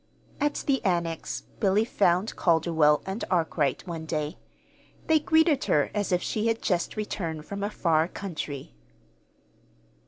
At the Annex Billy found Calderwell and Arkwright, one day. They greeted her as if she had just returned from a far country.